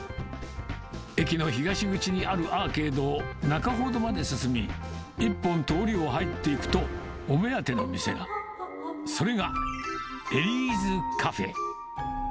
駅の東口にあるアーケードを中ほどまで進み、一本通りを入っていくと、お目当ての店が。それがエリーズカフェ。